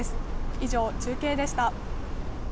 以上、中継でした。